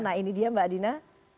nah ini dia mbak dina